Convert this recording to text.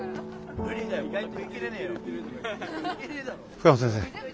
深野先生